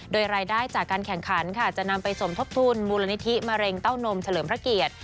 โดยรายได้จากการแข่งขันค่ะจะนำไปสมทบทุนมูลนิธิมะเร็งเต้านมเฉลิมพระเกียรติ